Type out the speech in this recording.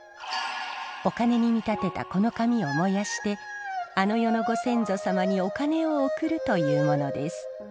お金に見立てたこの紙を燃やしてあの世のご先祖様にお金を送るというものです。